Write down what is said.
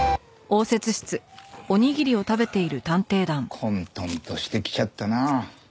混沌としてきちゃったな。